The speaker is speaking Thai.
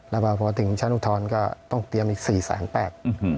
แต่ประมาณพอถึงชานุทรก็ต้องเตรียมอีก๔แสนแปด